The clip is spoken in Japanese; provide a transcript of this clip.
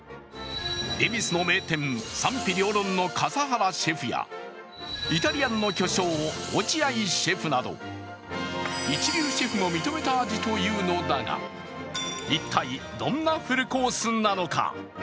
恵比寿の名店、賛否両論の笠原シェフやイタリアンの巨匠、落合シェフなど一流シェフも認めた味というのだが一体どんなフルコースなのか。